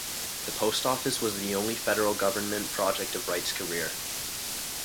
The post office was the only federal government project of Wright's career.